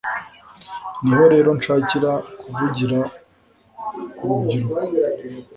niho rero nshakira kuvugira urubyiruko